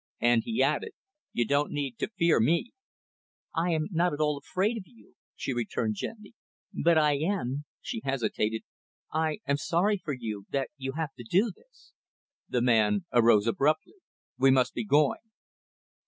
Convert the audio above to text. And," he added, "you don't need to fear me." "I am not at all afraid of you," she returned gently. "But I am " she hesitated "I am sorry for you that you have to do this." The man arose abruptly. "We must he going."